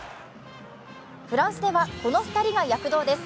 フランスではこの２人が躍動です。